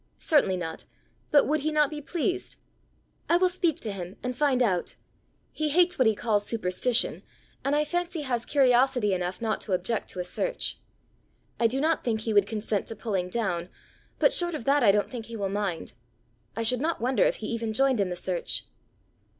"Certainly not; but would he not be pleased?" "I will speak to him, and find out. He hates what he calls superstition, and I fancy has curiosity enough not to object to a search. I do not think he would consent to pulling down, but short of that, I don't think he will mind. I should not wonder if he even joined in the search."